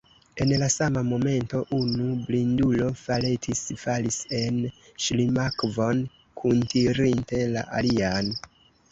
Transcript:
En la sama momento unu blindulo faletis, falis en ŝlimakvon, kuntirinte la alian.